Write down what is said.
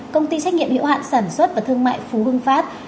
công ty trách nhiệm hiệu hạn sản xuất và thương mại phú hưng phát